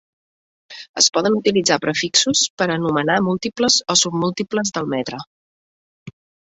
Es poden utilitzar prefixos per anomenar múltiples o submúltiples del metre.